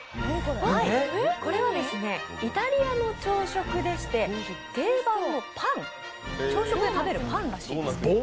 これはイタリアの朝食でして定番のパン朝食で食べるパンらしいです。